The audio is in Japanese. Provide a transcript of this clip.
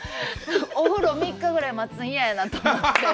お風呂３日ぐらい待つん嫌やなと思って。